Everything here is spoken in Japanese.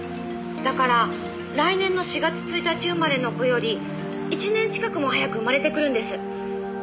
「だから来年の４月１日生まれの子より１年近くも早く生まれてくるんです」